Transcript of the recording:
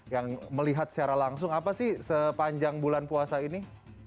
yang melihat secara langsung apa sih sepanjang bulan puasa ini